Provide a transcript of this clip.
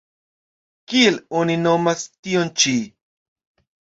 Kiel oni nomas tion-ĉi?